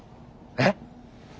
えっ。